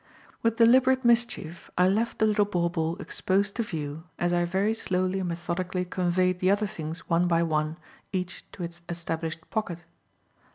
With deliberate mischief, I left the little bauble exposed to view as I very slowly and methodically conveyed the other things one by one, each to its established pocket.